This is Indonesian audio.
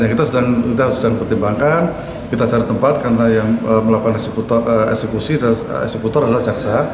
kita sedang pertimbangkan kita cari tempat karena yang melakukan eksekusi dan eksekutor adalah jaksa